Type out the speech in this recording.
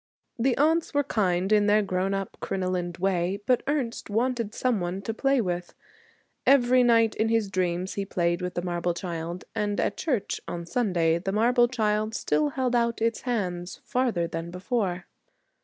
The aunts were kind in their grown up crinolined way. But Ernest wanted some one to play with. Every night in his dreams he played with the marble child. And at church on Sunday the marble child still held out its hands, farther than before.